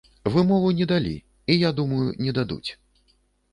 Вымову не далі, і я думаю, не дадуць.